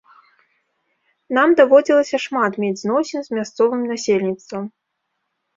Нам даводзілася шмат мець зносін з мясцовым насельніцтвам.